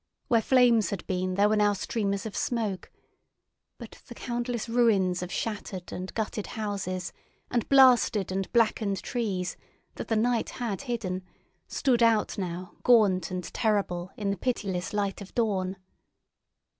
Where flames had been there were now streamers of smoke; but the countless ruins of shattered and gutted houses and blasted and blackened trees that the night had hidden stood out now gaunt and terrible in the pitiless light of dawn.